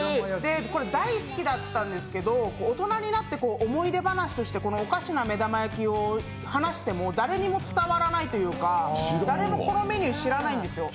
これ大好きだったんですけど大人になって思い出話としておかしな目玉焼きを話しても誰にも伝わらないというか、誰もこのメニュー、知らないんですよ。